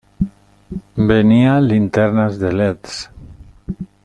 Venía linternas de leds.